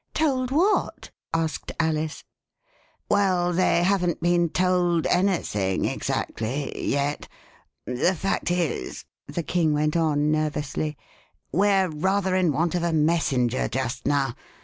Told what?" asked Alice. Well, they haven't been told anything, exactly — yet. The fact is," the King went on nervously, we're rather in want of a messenger just now.